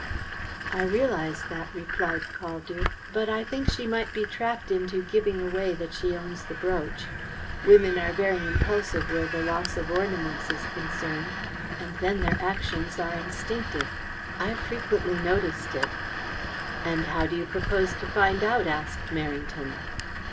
"I realize that," replied Caldew. "But I think that she might be trapped into giving away that she owns the brooch. Women are very impulsive where the loss of ornaments is concerned, and then their actions are instinctive. I have frequently noticed it." "And how do you propose to find out?" asked Merrington.